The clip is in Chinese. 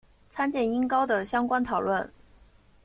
参见音高的相关讨论。